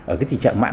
ở cái tình trạng mãn